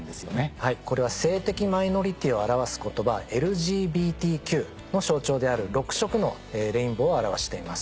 はいこれは性的マイノリティーを表す言葉ＬＧＢＴＱの象徴である６色のレインボーを表しています。